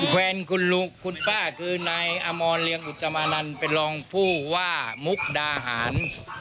แฟนคุณลุงคุณป้าคือนายอมรเรียงอุตมานันต์เป็นรองผู้ว่ามุกดาหาร